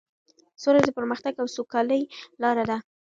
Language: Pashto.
سوله د پرمختګ او سوکالۍ لاره ده.